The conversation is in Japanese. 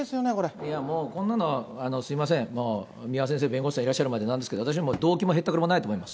いやもう、こんなのは、すみません、もう、三輪先生、弁護士さんいらっしゃる前でなんですけれども、私はもう、動機もへったくれもないと思います。